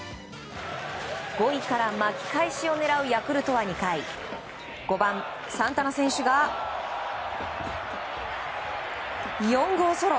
５位から巻き返しを狙うヤクルトは２回５番、サンタナ選手が４号ソロ。